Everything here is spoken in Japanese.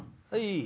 はい。